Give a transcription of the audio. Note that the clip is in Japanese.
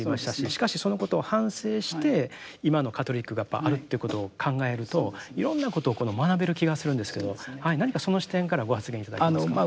しかしそのことを反省して今のカトリックがあるってことを考えるといろんなことを学べる気がするんですけど何かその視点からご発言頂けますか。